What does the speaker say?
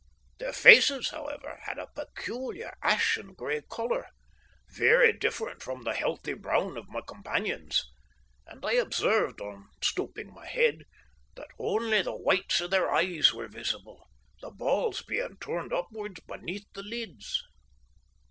Their faces, however, had a peculiar, ashen grey colour, very different from the healthy brown of my companion's, and I observed, on stooping my head, that only the whites of their eyes were visible, the balls being turned upwards beneath the lids.